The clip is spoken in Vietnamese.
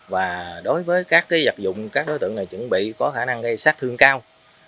và đối với các dạp dụng các đối tượng này chuẩn bị có khả năng gây sát thương cao